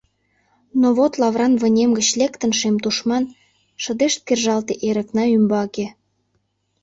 Но вот, лавран вынем гыч лектын, шем тушман Шыдешт кержалте эрыкна ӱмбаке.